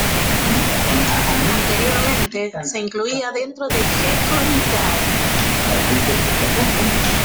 Anteriormente se incluía dentro de Gekkonidae.